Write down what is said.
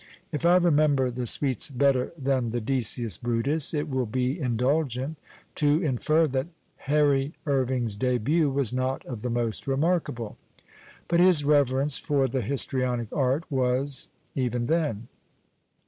If I remember the sweets better than the Deeius Brutus, it will be indulgent to infer that Harry Ir\ing's debut was not of the most remarkable. But his reverence for the histrionic art was, even tlien.